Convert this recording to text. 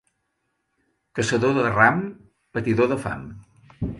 Caçador de ram, patidor de fam.